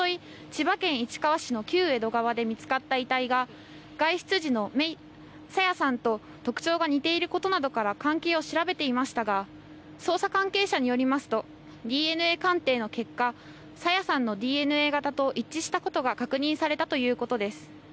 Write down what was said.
千葉県市川市の旧江戸川で見つかった遺体が外出時の朝芽さんと特徴が似ていることなどから関係を調べていましたが捜査関係者によりますとＤＮＡ鑑定の結果、朝芽さんのＤＮＡ型と一致したことが確認されたということです。